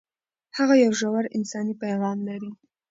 هغه یو ژور انساني پیغام لري.